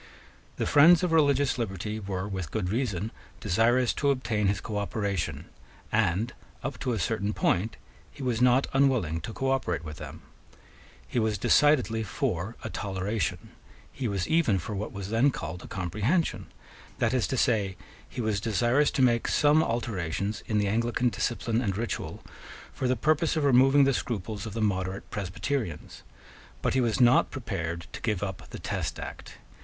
The friends of religious liberty were with good reason desirous to obtain his cooperation; and, up to a certain point, he was not unwilling to cooperate with them. He was decidedly for a toleration. He was even for what was then called a comprehension: that is to say, he was desirous to make some alterations in the Anglican discipline and ritual for the purpose of removing the scruples of the moderate Presbyterians. But he was not prepared to give up the Test Act.